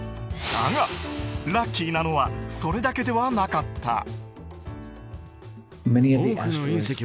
だが、ラッキーなのはそれだけではなかった。